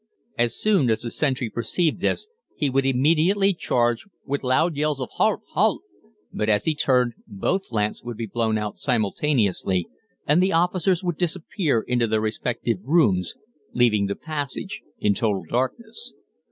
As soon as the sentry perceived this he would immediately charge, with loud yells of "Halt! Halt!" but as he turned both lamps would be blown out simultaneously, and the officers would disappear into their respective rooms, leaving the passage in total darkness.